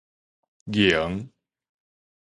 凝